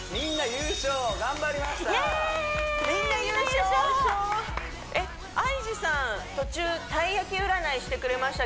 頑張りました